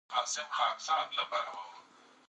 کعبه د نړۍ ټولو مسلمانانو د یووالي سمبول ده.